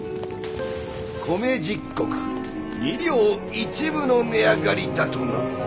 米十石二両一分の値上がりだとな。